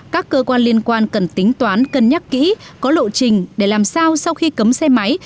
các cơ quan liên quan cần tính toán cân nhắc kỹ có lộ trình để làm sao sau khi cấm xe máy